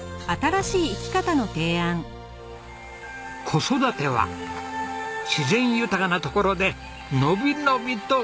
子育ては自然豊かな所で伸び伸びと頑張りたい！